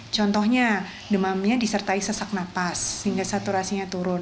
contohnya demamnya disertai sesak napas sehingga saturasinya turun